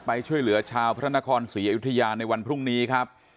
ไปช่วยเหลือชาวพระนครศรีอยุธยาในวันพรุ่งนี้ครับ